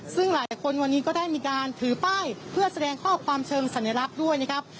ซึ่งหลายคนวันนี้ก็ได้มีการถือป้ายเพื่อแสดงข้อความเชิงสัญลักษณ์ด้วยนะครับ